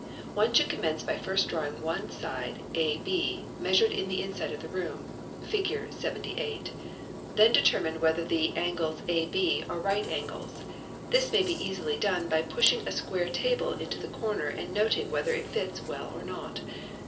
One should commence by first drawing one side a) measured in the inside of the room Figure 78. Then 3 determine whether the angles a b are dies rightangles. This may be easily done K IN] by pushing a square table into the B Cc corner and noting whether it fits N well or not.